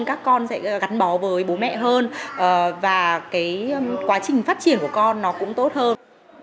các con sẽ gắn bó với bố mẹ hơn và cái quá trình phát triển của con nó cũng tốt hơn